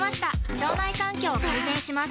腸内環境を改善します